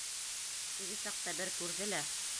Теге саҡта бер күрҙе лә...